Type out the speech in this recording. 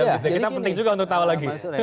kita penting juga untuk tahu lagi